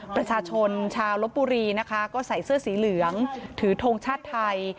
ประชาชนชาวลบบุรีนะคะก็ใส่เสื้อสีเหลืองถือทงชาติไทย